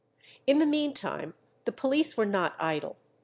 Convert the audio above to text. In the mean time the police were not idle.